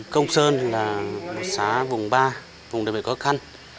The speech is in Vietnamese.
công sơn là một xã vùng ba vùng đều bị khó khăn